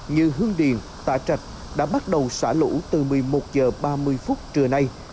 như hương điền tạ trạch đã bắt đầu xả lũ từ một mươi một h ba mươi phút trưa nay